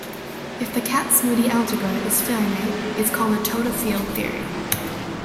If the Kac-Moody algebra is finite, it's called a Toda field theory.